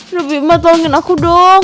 udah bima tolongin aku dong